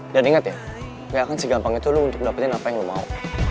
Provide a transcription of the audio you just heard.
dan inget ya gak akan segampang itu lo untuk dapetin apa yang lo mau